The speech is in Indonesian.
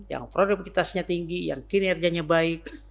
yang produktivitasnya tinggi yang kinerjanya baik